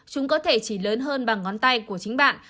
chúng có thể chỉ lớn hơn bằng ngón tay của chính bạn